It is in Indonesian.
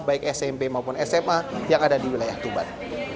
baik smp maupun sma yang ada di wilayah tuban